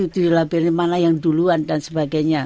dilabelnya mana yang duluan dan sebagainya